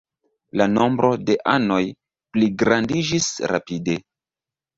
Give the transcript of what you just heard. La nombro de anoj pligrandiĝis rapide.